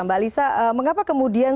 mbak alisa mengapa kemudian